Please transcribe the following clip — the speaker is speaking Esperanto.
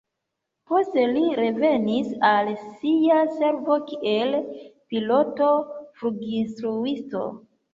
Poste li revenis al sia servo kiel piloto-fluginstruisto.